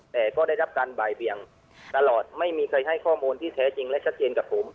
แต่ก็ได้รับการบ่ายเบียงตลอดไม่มีใครให้ข้อมูลที่แท้จริงและชัดเจนกับผม